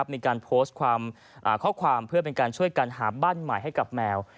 มีการโพสต์ข้อความเพื่อเป็นการช่วยกันหาบ้านใหม่ให้กับแมว